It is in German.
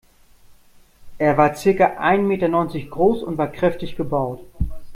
Er war circa ein Meter neunzig groß und war kräftig gebaut.